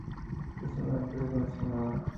Es una actriz venezolana.